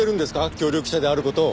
協力者である事を。